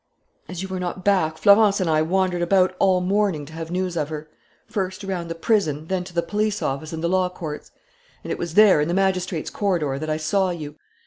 "As you were not back, Florence and I wandered about all morning to have news of her: first around the prison, next to the police office and the law courts. And it was there, in the magistrates' corridor, that I saw you.